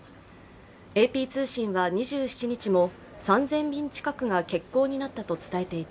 ＡＰ通信は２７日も３０００便近くが欠航になったと伝えていて、